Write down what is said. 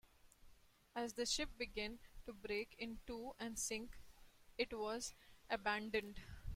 As the ship began to break in two and sink, it was abandoned.